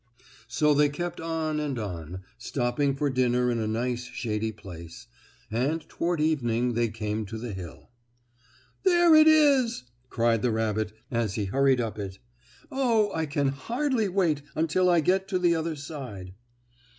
So they kept on and on, stopping for dinner in a nice shady place, and toward evening they came to the hill. "There it is!" cried the rabbit as he hurried up it. "Oh, I can hardly wait until I get to the other side."